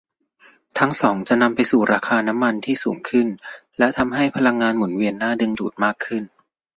ทั้งสองจะนำไปสู่ราคาน้ำมันที่สูงขึ้นและทำให้พลังงานหมุนเวียนน่าดึงดูดมากขึ้น